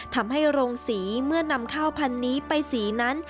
ทำให้โรงสีเมื่อนำข้าวพันนี้ไปสีนั้น